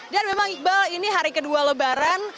dan memang iqbal ini hari kedua lebaran